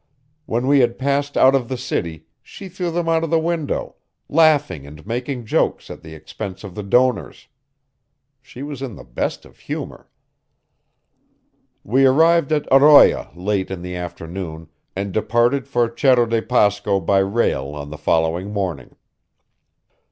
When we had passed out of the city she threw them out of the window, laughing and making jokes at the expense of the donors. She was in the best of humor. We arrived at Oroya late in the afternoon, and departed for Cerro de Pasco by rail on the following morning.